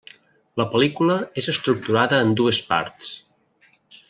La pel·lícula és estructurada en dues parts.